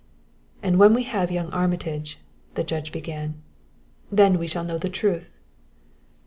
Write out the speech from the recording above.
"And when we have young Armitage " the Judge began. "Then we shall know the truth."